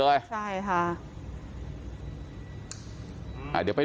อืมจริงนะ